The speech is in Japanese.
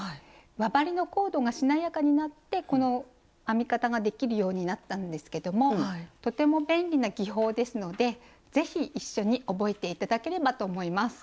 輪針のコードがしなやかになってこの編み方ができるようになったんですけどもとても便利な技法ですので是非一緒に覚えて頂ければと思います。